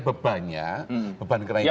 bebannya beban keraikan